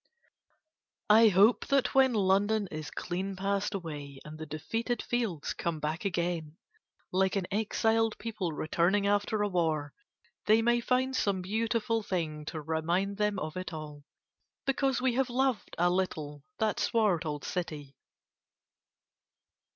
I hope that when London is clean passed away and the defeated fields come back again, like an exiled people returning after a war, they may find some beautiful thing to remind them of it all; because we have loved a little that swart old city.